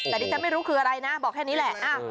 แต่ที่ฉันไม่รู้คืออะไรนะบอกแค่นี้แหละ